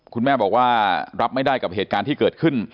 คุณแม่บอกว่ารับไม่ได้กับเหตุการณ์ที่เกิดขึ้น